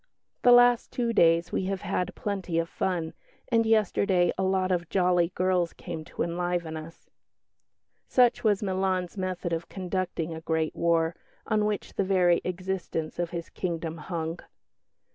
The last two days we have had plenty of fun, and yesterday a lot of jolly girls came to enliven us." Such was Milan's method of conducting a great war, on which the very existence of his kingdom hung.